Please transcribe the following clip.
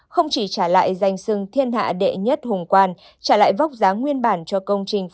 không chỉ trả lại danh sưng thiên hạ đệ nhất hùng quan trả lại vóc dáng nguyên bản cho công trình